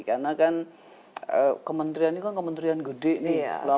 karena kan kementerian ini kan kementerian gede nih